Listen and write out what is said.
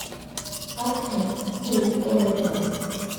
What had he ever done?